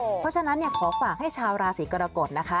เพราะฉะนั้นขอฝากให้ชาวราศีกรกฎนะคะ